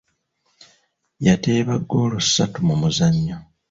Yateeba ggoola ssatu mu muzannyo.